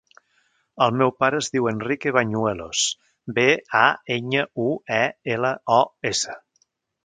El meu pare es diu Enrique Bañuelos: be, a, enya, u, e, ela, o, essa.